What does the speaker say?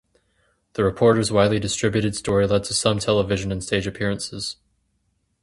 The reporter's widely distributed story led to some television and stage appearances.